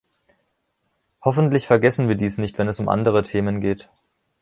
Hoffentlich vergessen wir dies nicht, wenn es um andere Themen geht.